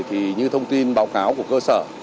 thì như thông tin báo cáo của cơ sở